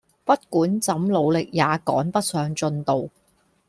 不管怎努力也趕不上進度